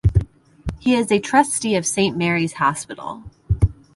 He is a Trustee of Saint Mary's Hospital.